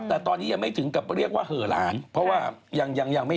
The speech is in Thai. แต่ตอนนี้ยังไม่ถึงกับเรียกว่าเหล่านเพราะว่ายังไม่เห็นออกมา